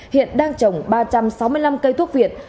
hiện đang trồng ba trăm sáu mươi năm cây thuốc việt